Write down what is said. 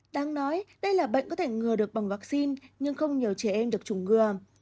đáng nói đây là bệnh có thể ngừa được bằng vaccine nhưng không nhờ trẻ em được chủng ngừa